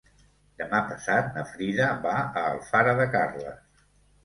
Demà passat na Frida va a Alfara de Carles.